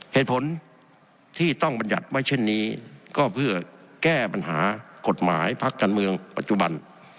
เหตุผลที่ต้องบรรยัติไว้เช่นนี้ก็เพื่อแก้ปัญหากฎหมายพักการเมืองปัจจุบัน